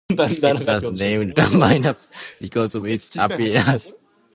It was named "Pineapple" because of its appearance.